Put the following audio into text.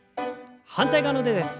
反対側の腕です。